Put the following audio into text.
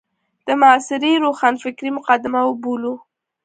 د معاصرې روښانفکرۍ مقدمه وبولو.